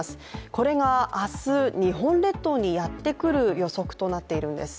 これが明日、日本列島にやってくる予測となっているんです。